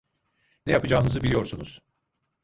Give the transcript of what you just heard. Ne yapacağınızı biliyorsunuz.